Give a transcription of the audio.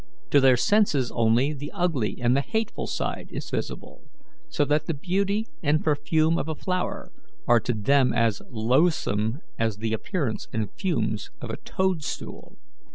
To their senses only the ugly and hateful side is visible, so that the beauty and perfume of a flower are to them as loathsome as the appearance and fumes of a toadstool.